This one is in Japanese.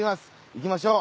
いきましょう。